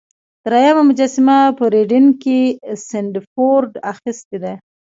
دریمه مجسمه په ریډینګ کې سنډفورډ اخیستې ده.